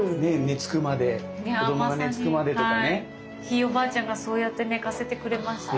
ひいおばあちゃんがそうやって寝かせてくれました。